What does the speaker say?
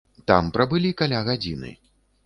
Там прабылі каля гадзіны.